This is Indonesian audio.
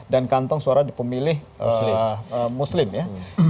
dan kantong suara di pemilih muslim ya